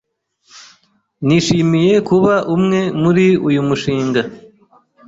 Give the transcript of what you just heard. Nishimiye kuba umwe muri uyu mushinga.